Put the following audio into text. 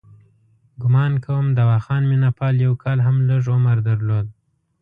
ګومان کوم دواخان مینه پال یو کال هم لږ عمر درلود.